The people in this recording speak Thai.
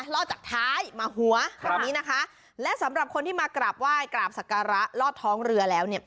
ลอดจากท้ายมาหัวและสำหรับคนที่มากราบว่ายกราบสักการะลอดท้องเรือแล้ว